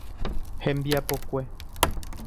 Hembiapokue.